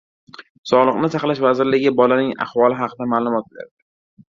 Sog'liqni saqlash vazirligi bolaning ahvoli haqida ma’lumot berdi